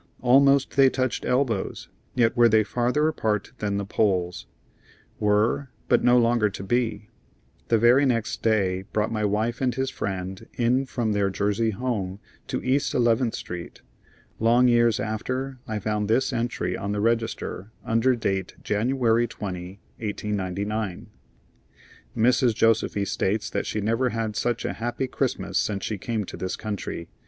Almost they touched elbows, yet were they farther apart than the poles. Were, but no longer to be. The very next day brought my friend and his wife in from their Jersey home to East Eleventh Street. Long years after I found this entry on the register, under date January 20, 1899: "Mrs. Josefy states that she never had such a happy Christmas since she came to this country.